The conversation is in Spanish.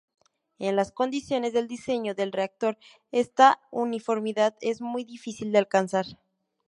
En las condiciones del diseño del reactor esta uniformidad es muy difícil de alcanzar.